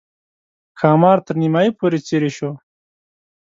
ښامار تر نیمایي پورې څېرې شو.